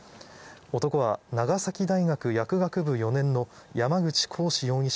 男は長崎大学薬学部４年の山口鴻志容疑者